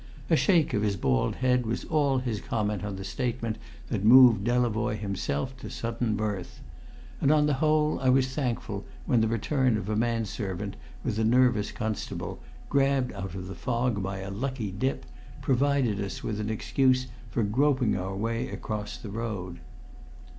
A shake of his bald head was all his comment on the statement that moved Delavoye himself to sudden mirth. And on the whole I was thankful when the return of a man servant with a nervous constable, grabbed out of the fog by a lucky dip, provided us with an excuse for groping our way across the road.